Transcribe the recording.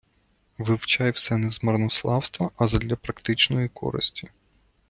Вивчай все не з марнославства, а задля практичної користі.